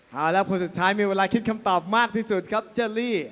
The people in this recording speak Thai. เอาแล้วคนสุดท้ายมีเวลาคิดคำตอบมากที่สุดครับเจอลี่